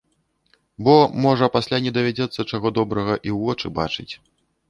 Бо, можа, пасля не давядзецца, чаго добрага, і ў вочы бачыць.